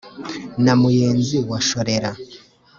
Na Muyenzi wa Shorera